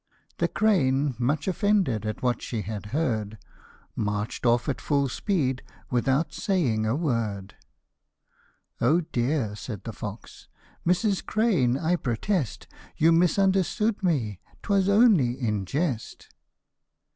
The crane, much offended at what she had heard, March'd off at full speed, without saying a word ;" Oh dear !" said the fox, " Mrs. Crane, I protest You misunderstood me 'twas only in jest.